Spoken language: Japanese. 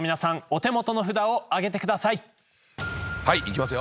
お手元の札を挙げてください。